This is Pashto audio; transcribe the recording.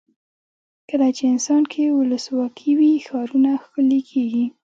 کله چې افغانستان کې ولسواکي وي ښارونه ښکلي کیږي.